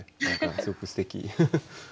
何かすごくすてき。